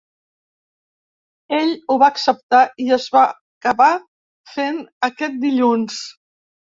Ell ho va acceptar i es va acabar fent aquest dilluns.